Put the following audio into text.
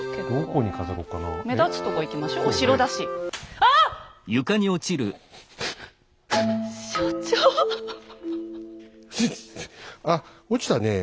あ落ちたねえ。